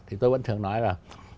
thì tôi vẫn thường nói là